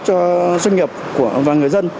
cho doanh nghiệp và người dân